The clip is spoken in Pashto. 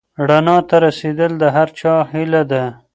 رڼا ته رسېدل د هر چا هیله ده.